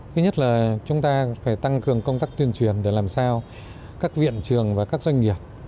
thứ nhất là chúng ta phải tăng cường công tác tuyên truyền để làm sao các viện trường và các doanh nghiệp